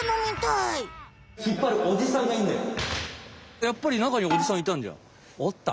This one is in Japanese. やっぱり中におじさんいたんじゃん。